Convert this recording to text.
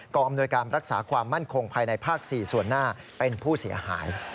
อำนวยการรักษาความมั่นคงภายในภาค๔ส่วนหน้าเป็นผู้เสียหาย